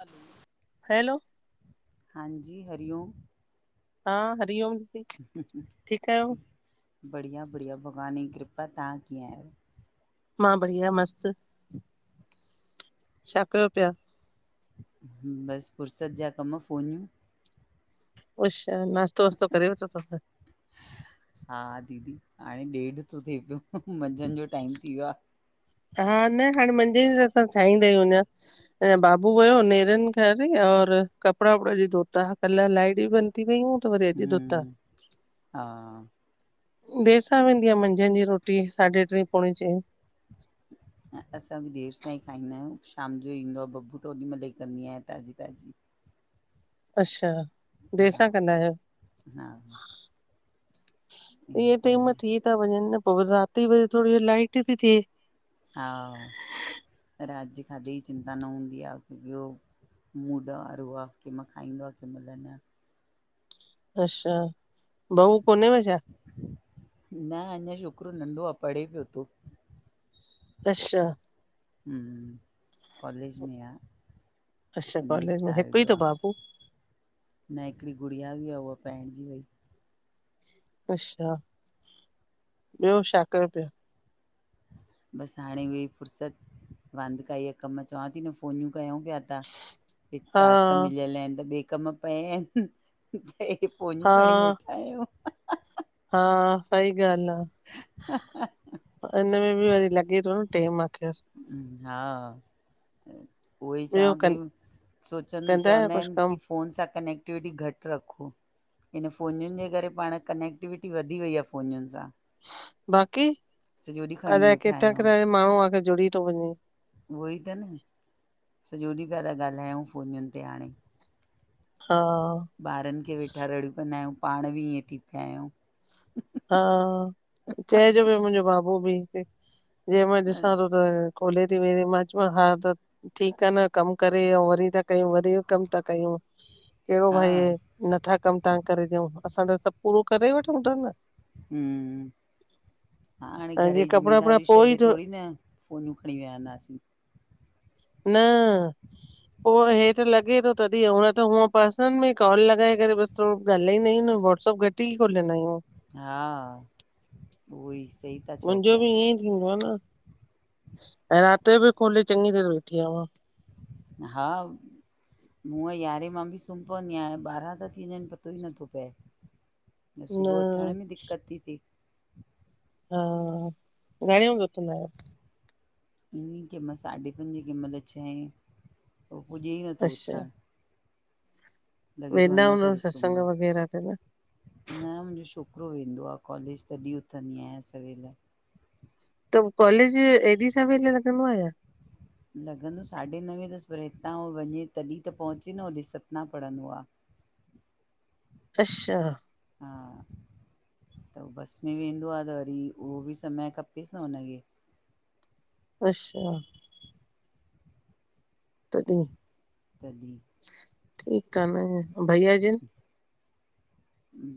हलो! Hello! हांजी हरिओम। हां हरिओम। ठीकु आहियो हुं-हुं-हुं बढ़िया- बढ़िया भॻवान ई कृपा तां कीअं आयो? मां बढ़िया मस्तु छा कयो पया? बस फुर्सत ॼा कम फ़ोनयूं। अच्छा नास्तो- वास्तो करे वरतो तव शा? हा दीदी! हाणें ॾेढ़ तो थेए पयो मंझंन ॼो टाइम ती वयो आ। हा न हाणे मंझंन ॼे हिसाब सां ठाईदा आयूं अञां। अञां बाबू वयो, नेरन खादी और कपड़ा-वपड़ा अॼ धोता, कल लाइट ॿि बन्द थी वंयू त वरी अॼु धोता हूं-हा देर सां वेंदी आ मंझंन ॼी रोटी, साढे़ ट्रीं पौंणें चईं। [inaudible] ऐं सां ॿि देर सां ई खाईंदा आयूं, शाम जो ईंदो आ बब्बू त ओॾीमल्ह ई कंदी आयां ताज़ी- ताज़ी। अच्शा देर हा सां कंदा आयो? हा ऐं इंएं पंजे टेम थी था वञन न पो वरी रात जो वरी थोरी लाइट थी थेए। हा! रात जे खाधे ॼी चिंता न हूंदी आ की ॿयो मुड वारोआ केंमल खाईंदो आ, केंमल न। अच्शा बहू कोनेव छा? न अञां शोकरो नंढो आ पढे़ पयो तो। अच्शा हूं कॉलेज में आ। अच्छा उन्नीस कॉलेज में साल हिकु ई ॼो अथव आ बाबू न हिकड़ी गुड़िया ॿि आ उहा पाइणॼी वई। अशा ॿयो शा कयो पया? बस हांणें वेई फुर्सत वांंदकाईय जा कम चवां ती न फ़ोनयूं कयऊं पया हे हा टास्क मिलयल आयन त ॿे कम पया आयन। फोनियूं हा खणी वेठा आयूं। हा, सई ॻाल आ इनमें ॿि वरी लॻे तो न। टेम आ खेर। हम्म, हा उओई ॿियो चवां पई कं सोचन कंदा आहियो चवंदा कुझु आयन कमु? की फोन सां कनैक्टविटी घट रखो। इन फ़ोनियुन जे करे पाण कनेक्टविटी वधी वई आ फ़ोनयुन सां। बाक़ी! सॼो ॾींहुं खणी अलाए वेठा किथां-किथां ॼो माणू आके जुड़ी तो वञे। उहई त न, सॾो ॾींह पया था ॻाल्हायू फ़ोनन ते हांणें। हा ॿारन खे वेठा रड़ियूं कंदा आहयूं, पांण बी ईअं थी पया आहयूं। हा चए जो पयो मुंहजो बाबू बी हिते जेंह मल ॾिसां तो खोले थी वेह मां च्यो मांस हा त ठीक आ न, कम करे औं वरी ता कयूं, वरी कम ता कयूं। केहड़ो हा भई, नथा कम तहां खे करे ॾियऊं, असां त सभ पूरो करे वठूं ता न। हूं- हाणें ऐं घर जीअं जी कपिड़ा वपड़ा जिम्मेदारियूं पोइ ई शॾे धो थोडी न फोनियूं खणीं विहंदासीं। न पो हेत लॻे तो नत तॾी न त हूअं पर्सन में कॉल लॻाए करे बस थोडो गालाईंदा आहयूं न वाटसप घट ई खोलनायूं। हा- उहोई सई मुंजो बी ईअंई थींदो आ न। ऐं रात जो बी खोले चङी देर वेठी आहयां। हा हुंअ यारहें मां बी सुम्म पवंदी आहयां, हांणें ॿारहां ता थी वञन पतो ई नथो पए। न सुबुह जो उथण में दिक्क़त ती थे। हा, घणें वॻे उथंदा आहयो? ईअं केंह मल साढे पंजे केंह मल छहें पो पुॼे ई नथो अच्छा उथंण लॻे तो वेंदा अञा हूंदव थोड़ो सत्संग सुम्मा। वग़ैरह ते न न मुंजो शोकरो वेंदो आहे कॉलेज तॾहिं उथंदी आहियां सवेल। त कॉलेज ऐॾी सवेल लॻंदो आ छा? लॻंदो साढे नवें तस पर हितां हो वञे तॾहिं त पहुंचे न होॾे, सतना पढ़ंदो आ। अश्शा हा त बस में वेंदो आ त वरी उहो बी समय खपेस न हुनखे। अश्शा तॾहिं, तॾहिं ठीक आ न। भैया जन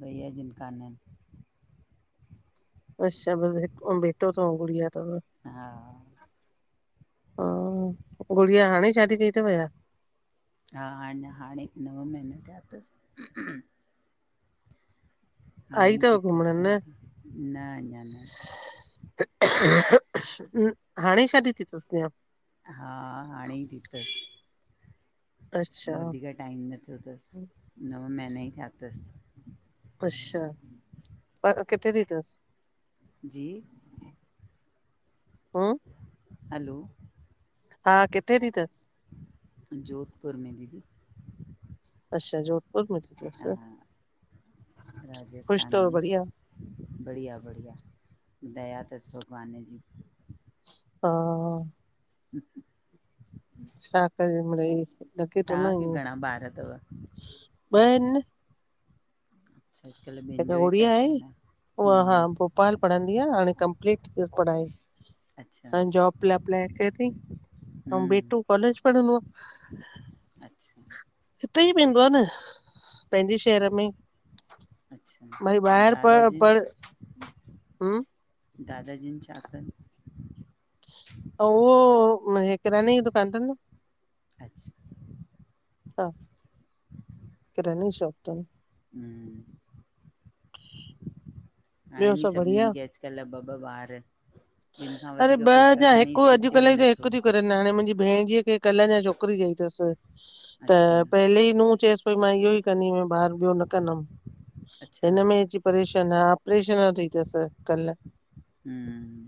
भईया जन कानन। अश्शा बस हिक बेटो तव, गुड़िया तव? हा गुड़िया हाणे शादी कई तव छा? हा अञा हाणे नव महीना थैया तस। आई हाणे थी अथव घुमण तस छा न न अञा न हाणें शादी थी तस छा? हा हाणें ई थी तस। अच्छा वधीक टाइम न थैयो तस नव महीना ई थैया तस। अश्शा, पर किथे थी तस? जी पो हलो। हा किथे थी तस? जोधपुर में दीदी। अश्शा जोधपुर में थी तस। ख़ुश तव बढ़िया? बढ़िया-बढ़िया दया तस भॻवान जी। हा [inaudible] छा कजे मिढ़़ई, ढके तो तव्हांखे इंञें, घणा ॿार अथव ॿ हिन। अच्छा अॼुकल्ह ॿियनि हिकु जो ई गुड़िया आहे, पैशन उहा हा हम्म भोपाल पढ़ंदी आ, हाणे कंपलीट थी वयस पढ़ाई। अच्छा हाणे जॉब लाए अप्लाई कयो तई, अऊं हम्म बेटो कॉलेज पढ़ंदो आ। अच्छा। हितेई वेंदो आ न, पंहिंजे शहर में ई अच्छा, अंउं प दादा जन? पढ़ हम्म दादा जनि छा कनि? अ उहो किराने जी दुकान तनि न। अच्छा। हा, किरने जी शॉप तनि। हम्म। ॿियो आहिनि ई सभु बढ़िया? सभिनीनि खे अॼुकल्ह ॿ-ॿ ॿार। ॿिनि खां अरे वधीक कोई ॿ जा करण ई हिकु, सोचे ई अॼुकल्ह ज्यूं त हिकु नथो ती करेनि, हाणे मुंजी भेण जीअ खे कल्ह अञां छोकरी ॼाई तसि, त अच्छा पहले ई नूह चेस पई मां इह्यो ई कंदीमय ॿार, ॿियो न कंदमि अच्छा हिन में अची परेशान आ अपरेशन सां थी तस, कल्ह। हम्म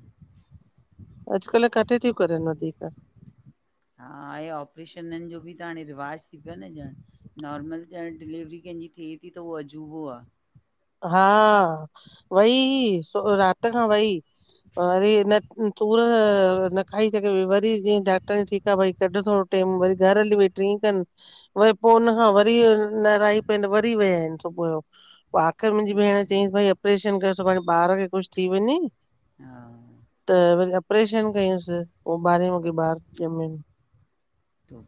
अॼुकल्ह काथे तियूं करनि वधीक। हा, आहे ऑपरेशननि जो बि त हाणे रिवाजु थी पियो न ॼण, नॉर्मल ॼणु डिलेवरी कंहिंजी थिए -ती त उहो अजूबो आ हा, वई ही राति खां वई, वरी हिन सूर न खाई सघेई पई, वरी जीअं डॉक्टरियांणी च्यंईंस ठीकु आ भई कढु थोड़ो टेम, वरी घर हली वई ट्रीं खनि वरी पो उनख वरी न रहिई पयनि त वरी वया हिनि सुबुह जो आख़िर मुंहिंजी भेण अच्छा चयईंसि भई ऑपरेशन कर, सुभाणे ॿार खे कुछु थी वञें हा। त वरी अपरेशन कयंउसि, पो ॿारहें वॻे ॿार ॼमियुन। तो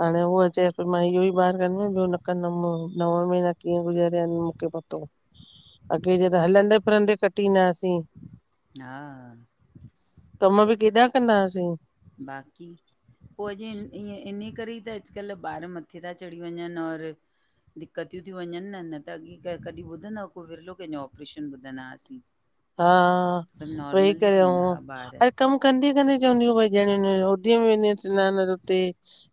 हाणे उहा चएस पई मां इह्यो ई ॿार कंदी मंए, ॿियो न कंदमि नव महीना कीअं गुज़ारिया हिनि मुखे पतो अॻे जे त हलंदे फिरंदे कटींदाहासीं। हा। कम बि केॾा कंदा हासीं बाक़ी पो अॼु इअं इन्ह करे ई त अॼुकल्ह ॿार मथे ता चढ़ी वंञंनि और दिकतियूं तियूं वंञंनि न, न त अॻे कॾहिं ॿुधंदा हुव को विरिलो कंहिंजो ऑपरेशन ॿुधंदा हासीं। हा, वेही करे थींदा हुआ ॿार अंउं कमु कंदे- कंदे चवंदियुं हु भई ॼणियुन, होदीअ में वेंदियूं हूं सिनान ते उते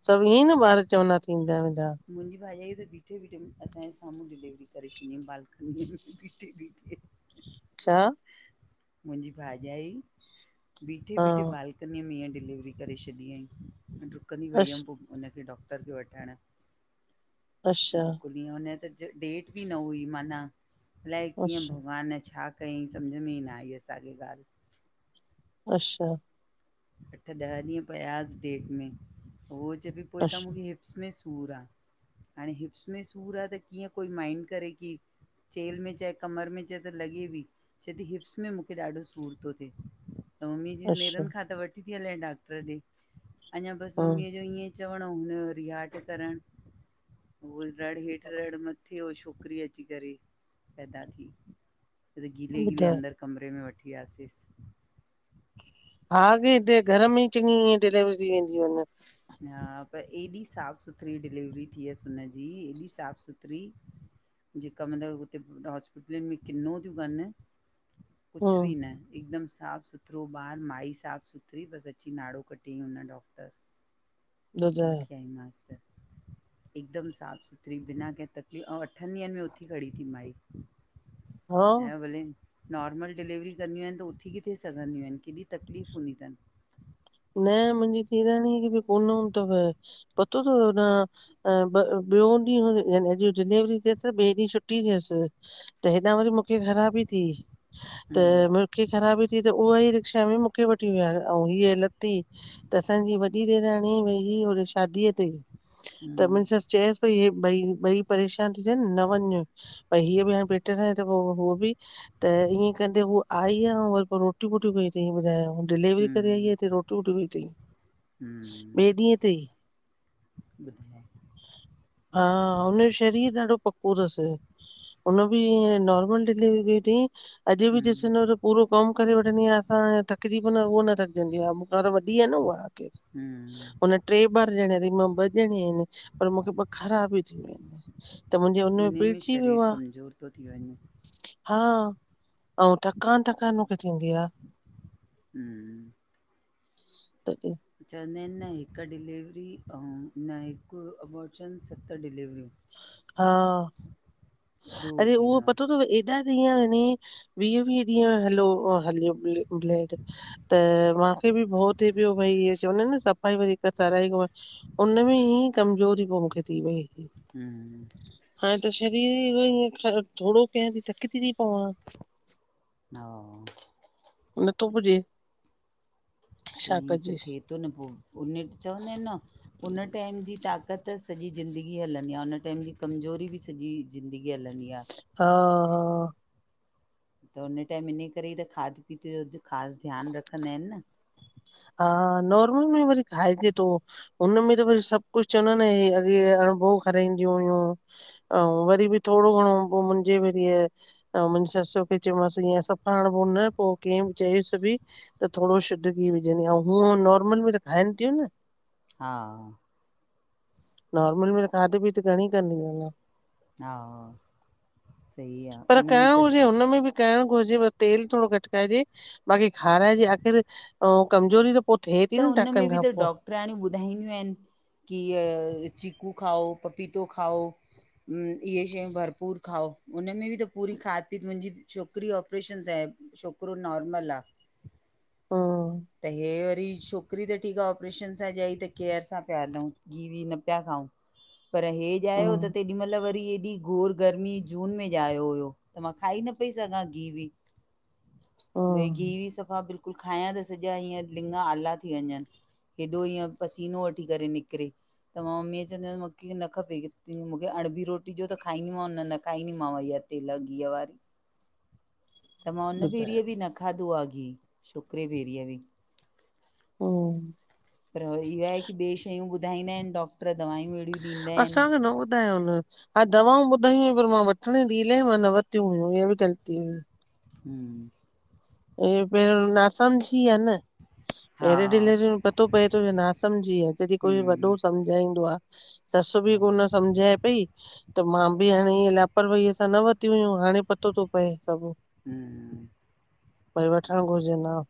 सभु ईअं ई न ॿार चवंदा हा, थींदा वेंदा हा। मुंहिंजी भाॼाईअ त बीठे -बीठे असांजे साम्हूं डिलेवरी करे छॾियंई बालकनीअ में बीठे -बीठे [inaudible] छा? मुंहिंजी भाॼाई, बीठे - हा बीठे बालकनीअ में हींय डिलीवरी क करे छॾी हंईं, ॾुकंदी वई हमि अछ पो हुनखे डॉक्टर खे वठंण अच्छा बिल्कुलु ईअं हुनजे त डेट बि न हुई माना, अलाए कीअं अच्छा भॻवान छा कयई सम्झि में ई न आई असांखे ॻाल्हि अच्छा अठ ॾह ॾींहं पयास डेट में, उहो चए पई त अच्छा मूंखे हिप्स में सूरु आहे हाणे हिप्स में सूरु आहे त कीअं कोई माइंड करे की चेल में चए कमर में चए त लॻे बि छ थी हिप्स में मूंखे ॾाढो सूर तो थिए। त मम्मीअ चयईस अच्छा नेरनि खां त वठी थी हले डॉक्टर ॾे अञा बसि हा मम्मीअ जो ईअं चवण अऊ हुन जो रिहाट करणु उह रड हेठि रड़ मथे मथे उ छोकिरी अची करे पैदा थी गीले गीले ॿुधाए अंदर कमरे में वठी वियासेस हा अॻे हिते घर में ई चङियी ईअ डिलेवरी वेंदियूं हनि। पर एॾी साफ़ सुथरी डिलेवरी थियसि हुनजी एॾी साफ़ सुथरी जेका मतलबु हुते हॉस्पिटलुनि में किनो थियूं कनि, कुझु बि हूं न हिकदमि साफ़ु सुथिरो ॿारु माई साफ़ सुथरी बसि अची नाड़ो कटियई हुन डॉक्टर ॿुधाए वठी आई माँस त हिकदमि साफ़ु सुथरी बिना कंहिं तकलीफ़ ऐं अठनि ॾींहंनि में उथी खड़ी थी माई हा भली नॉर्मल डिलेवरी कंदियूं आहिनि त उथी किथे सघंदियूं आहिनि केॾी तकलीफ़ हूंदी अथनि। न मुंहिंजी ॾेराणीअ खे बि कोन हुन्दो तव, पतो तव होॾा त ॿियों ॾींहुं या अॼु डिलेवरी थियसि ॿिए ॾींहुं छुटी थियसि त हेॾां वरी मूंखे ख़राबी थी त हम्म ख़राबी थी त उहा ई रिक्शा में मूंखे वठी विया ऐं त असांजी वॾी देराणी वई हुयी होॾे शादीअ ते त हम्म मुंहिंजी सस चयेसि पई हे ॿई ॿई परेशान थी थियन न वञ, भई हीअ बि हाणे पेट सां त पो हो बि त ईअं कंदे हू आई आ वरी पोइ रोटी वोटी कई तअं ॿुधाय डिलेवरी करे आई आहे हम्म हिते रोटी कई थई ॿिए ॾींहं ते ई बदाए [unintelligible] हा, हुनजो शरीर ॾाढो पको तसि। उन बि इये नॉर्मल डिलवरी कई तईं अॼु बि ॾिसंदव हम्म त पूरो कम करे वठंदी आ असां थकजी पवन्दास उह न थकजंदी आ मुखां त वॾी आ न उहा आखिर हम्म हुन ट्रै ॿार ॼणया तईं मां ॿ ॼणंया आहिनि पर मूंखे ख़राबी थी वई त मुंहिंजे हुन में उन पीडजी वियो शरीर आ कमज़ोर थो थी वञे हा अऊं थकान थकान मूंखे थींदी आ। हम्म ते [inaudible] चवंदा आहिनि न हिकु डिलीवरी अऊ न हिकु एबॉरशन सत डिलीवरूं हा ह [inaudible] अॼु उहो पतो तव एत हेॾा ॾीहं हले वीह वीह ॾींह हलो हलियो ब्लड त मांखे बि भउ थिए पियो भई चवंदा आहिनि न सफ़ाई वरी सराई उन में ई कमज़ोरी पो मूंखे थी वई हम्म हाणे त शरीर ई एडो ईयं थोड़ो कयां ती थकजी ती हा, नथो पुॼे, छा पोई त कजे थिए तो न, पो उने चवंदा आहिनि न, उन टाइम जी ताक़त, त सॼी ज़िंदगी हलंदी आ, हुन टाइम जी कमज़ोरी बि सॼी ज़िंदगी हलंदी आ, हा-हा, त हुन टाइम इने करे ई त खाध- पीते जो ख़ासि ध्यानु रखंदा इन न। हा, नॉर्मल में वरी खाइजे तो, हुनमें त सभु कुछ चवंदा न, ए अॻे अणुभो खाराईंदियूं हुइयूं, अऊं वरी बि थोड़ो घणो पो मुंहिंजे में थियस, अऊं, मुंहिंजी ससु खे चयोमांस, ईअं सफ़ा अणबो न पो किंय बि चयेसि बि, त थोड़ो शुद्ध की विझंदी आ, हूंअ नॉर्मल बी त खाइनि थियूं न, हा। नॉर्मल में त खाध-पीत घणी कंदीयू ईन, हा, सही आ। उन में त, करणो घुरिजेव, तेल थोड़ो घट खाइजे, बाक़ी खाराइजे हरकेरे, ओं कमजोरी जो पो, थे ती न टाकनि खां पो, प्राणियूं ॿुधाईंदियूं आहिनि की इय चीकू खाओ, पपीतो खाओ, अम, इहे शयूं भरपूर खाओ, उनमें बि त पूरी खाध पीत मुंहिंजी छोकिरी ऑपरेशन सां आहे। छोकिरो नॉर्मल आ। हम्म त हे वरी छोकिरी त ठीकु आ ऑपरेशन सां ॼाई त केअर सां पिया हलऊं, गिहु- वीह न पिया खाऊं। पर हे ॼायो त हम्म तेॾी महिल वरी एॾी गोर गर्मी जून में ॼायो हुयो त मां खाई न पई सघां गिहु- विह, भई गिह हम्म -वीह सफ़ा बिल्कुलु खायां त सॼा हीअं लिंॻ आला थी वञनि। हेॾो ईअं पसीनो वठी करे निकिरे। त मां मम्मीअ चवंदी हुयमि मुंखे न खपे, की मूंखे अणबी रोटी ॾियो त खाईंदीमांव न- न खाईंदीमांव हीअ। तेल घी अ वारी। त मां हुन ॿुधायो भेेरीअ बि न खाधो आ गिहु, छोकिरे भेेरीअ बि। हम्म पर इहो आहे की ॿिए शयूं ॿुधाईंदा आहिनि, डॉक्टर दवायूं अड़ियूं ॾींदा आहिनि। असांखे न ॿुधायो न। हा, दवाऊं ॿुधाई हुयई पर मां वठण ई इलाही मां न वरतीयूं हुयूं, हे बि ग़लती हुई। हम [inaudible] इ पहिरों ना समझी आ न। हा पहिरें डिलेवरी में पतो पए तो या ना समझी आ जॾें कोई हम्म वॾो सम झाईंदो आ, ससु हा बि कोन सम्झाए पई, त मां बि हाणे ईअं लापरवाहीअ सां न वरिती हुयूं हाणे पतो तो पए सभु हम्म भई वठण घुरजेन आं।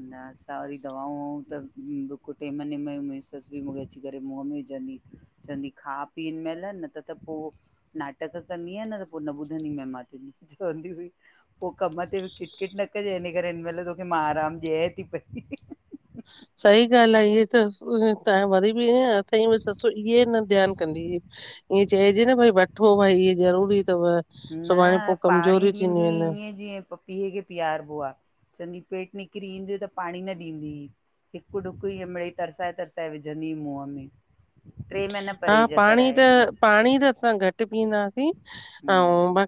न असां वरी दवाऊं ऊं त बिल्कुल टेम नेम मुंहिंजी ससु बि मूंखे अची करे मुंहं में विझंदी ही। चवंदी खा पीअ हिनमहल न त त पोइ नाटक कंदीय न त पोइ न ॿुधंदी में मां तुंहिंजी चवंदी हुई। पोइ कम ते बि किटकिट न कजें, हिन करे हिन महिल तोखे मां आराम ॾियएं ती पई। सही ॻाल्हि आहे, इअ त त्हां वरी बि ईयं अथई बि ससु इहे न ध्यानु कंदी हुई। ईअं चएजे न भई वठो भई ईअ ज़रूरी थव न पाणी ॾींदी ईअं जीअं प पीउ खे पीआरिबो आह चवंदी पेट निकिरी ईंदी त पाणी न ॾींदी हिकु ुक ईीअं मिड़ेई तरिससाए तरसाए विझंदी हु मुंहं में ट्रे महीना हा परहेज पाणी त कराए पाणी त असां घट पीअंदासीं हम्म ऐं बाक़ी